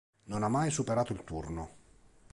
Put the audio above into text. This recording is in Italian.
Non ha mai superato il turno.